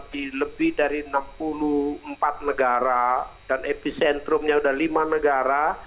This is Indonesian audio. di lebih dari enam puluh empat negara dan epicentrumnya sudah lima negara